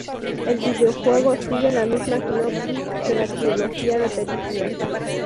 El videojuego sigue la misma sinopsis que la trilogía de películas.